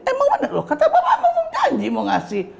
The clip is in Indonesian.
emang bener kata bapak janji mau ngasih